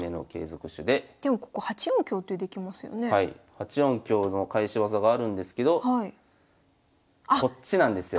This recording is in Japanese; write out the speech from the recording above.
８四香の返し技があるんですけどこっちなんですよ。